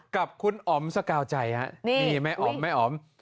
กับคุณอ๋อมสกาวใจนี่แม่อ๋อม